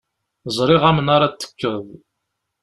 Ẓriɣ amnaṛ ad t-tekkeḍ.